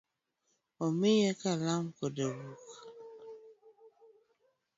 Omiya Kalam kod buk